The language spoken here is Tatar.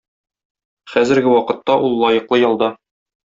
Хәзерге вакытта ул лаеклы ялда.